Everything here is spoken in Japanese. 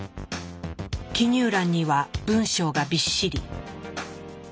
記入欄には文章がびっしり。